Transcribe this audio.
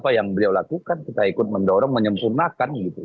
apa yang beliau lakukan kita ikut mendorong menyempurnakan gitu